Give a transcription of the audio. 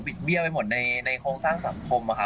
มีบี๊ยาไปหมดในโครงสร้างสัมพมค์